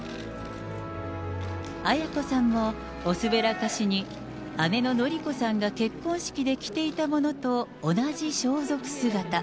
絢子さんもおすべらかしに、姉の典子さんが結婚式で着ていたものと同じ装束姿。